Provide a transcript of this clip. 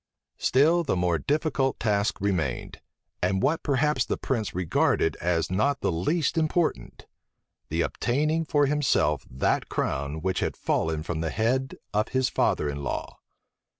Still the more difficult task remained, and what perhaps the prince regarded as not the least important: the obtaining for himself that crown which had fallen from the head of his father in law.